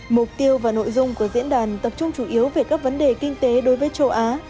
mục tiêu và nội dung của diễn đàn tập trung chủ yếu về các vấn đề kinh tế đối với châu á